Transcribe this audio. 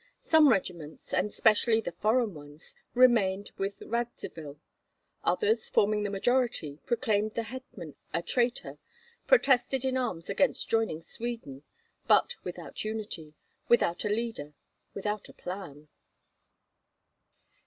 Some regiments, and specially the foreign ones, remained with Radzivill; others, forming the majority, proclaimed the hetman a traitor, protested in arms against joining Sweden, but without unity, without a leader, without a plan.